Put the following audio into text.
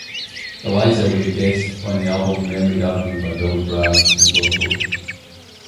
Eliza was a guest on the album "Mermaid Avenue" by Billy Bragg and Wilco.